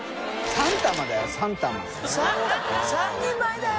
３人前だよ？